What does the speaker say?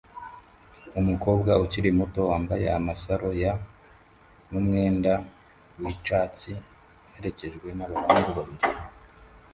Umukobwa ukiri muto wambaye amasaro ya numwenda wicyatsi aherekejwe nabahungu babiri